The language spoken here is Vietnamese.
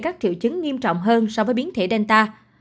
các triệu chứng nghiêm trọng hơn so với biến thể danta